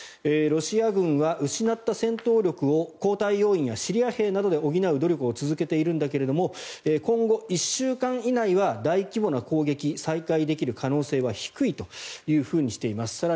ロシア軍は失った戦闘力を交代要員やシリア兵などで補う努力を続けているんだけども今後、１週間以内は大規模な攻撃再開できる可能性は低いとしています。